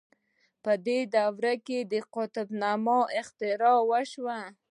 په دې دوره کې د قطب نماء اختراع وشوه.